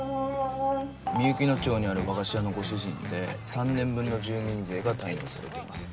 みゆきの町にある和菓子屋のご主人で３年分の住民税が滞納されています。